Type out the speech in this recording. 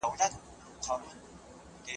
سياسي ټولنپوهنه د قدرت بحث کوي.